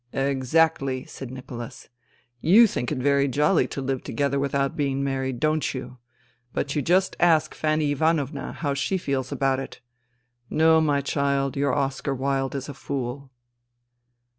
" Exactly," said Nicholas. " You think it very jolly to live together without being married, don't you ? But you just ask Fanny Ivanovna how she feels about it. No, my child, your Oscar Wilde is a fool."